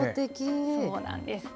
そうなんです。